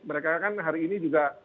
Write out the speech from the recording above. mereka kan hari ini juga